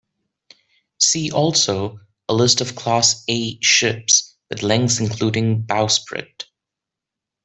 See also a list of class "A" ships with lengths including bowsprit.